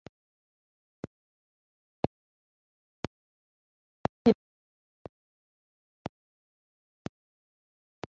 Yavuze ati: “John Silver, uri umugome w'ikirangirire kandi urera - igitangaza